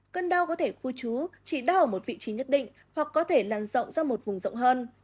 cơn đau có thể khu trú chỉ đau ở một vị trí nhất định hoặc có thể làn rộng ra một vùng rộng hơn